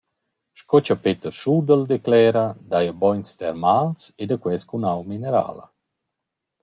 Sco cha Peter Schudel declera daja bogns termals e da quels cun aua minerala.